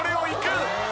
いく。